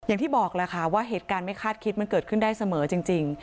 อย่างที่บอกแหละค่ะว่าเหตุการณ์ไม่คาดคิดมันเกิดขึ้นได้เสมอจริง